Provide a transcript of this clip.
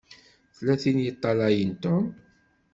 Tella tin i yeṭṭalayen Tom.